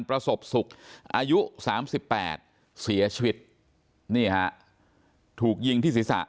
ประสบสุขอายุสามสิบแปดเสียชีวิตนี่ฮะถูกยิงที่ศีรษะ